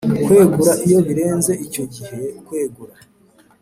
Kwegura iyo birenze icyo gihe kwegura